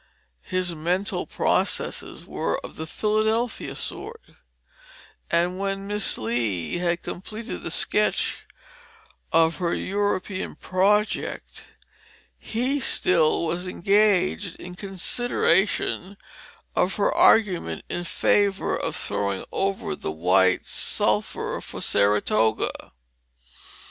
His mental processes were of the Philadelphia sort, and when Miss Lee had completed the sketch of her European project he still was engaged in consideration of her argument in favor of throwing over the White Sulphur for Saratoga.